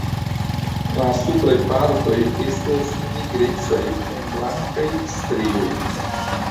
La supraj partoj estas nigrecaj kun blankaj strioj.